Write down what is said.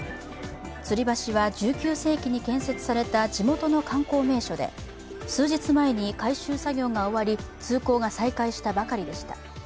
つり橋は１９世紀に建設された地元の観光名所で数日前に改修作業が終わり通行が再開したばかりでした。